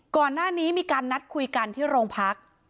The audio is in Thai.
ก่อนหน้านี้มีการนัดคุยกันที่โรงพัก